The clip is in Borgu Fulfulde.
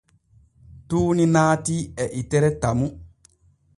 Tuuni naatii e itere Tamu.